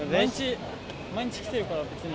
毎日来てるから、別に。